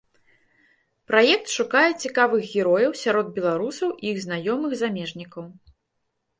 Праект шукае цікавых герояў сярод беларусаў і іх знаёмых замежнікаў.